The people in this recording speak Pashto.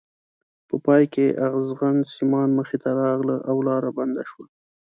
په پای کې ازغن سیمان مخې ته راغله او لاره بنده شوه.